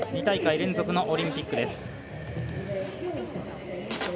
２大会連続のオリンピックです。